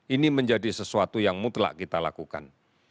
ini menjadi sesuatu yang mutlak kita lakukan